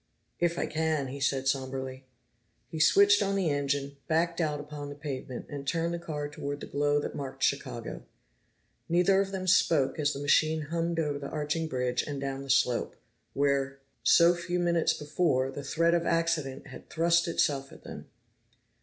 "If I can," he said somberly. He switched on the engine, backed out upon the pavement, and turned the car toward the glow that marked Chicago. Neither of them spoke as the machine hummed over the arching bridge and down the slope, where, so few minutes before, the threat of accident had thrust itself at them.